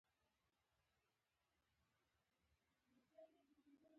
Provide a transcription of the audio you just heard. هغه په برلین کې د افغانستان سفیر وو.